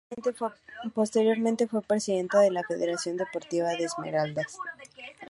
Posteriormente fue presidenta de la Federación Deportiva de Esmeraldas.